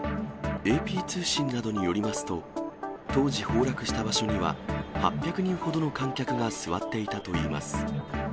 ＡＰ通信などによりますと、当時崩落した場所には、８００人ほどの観客が座っていたといいます。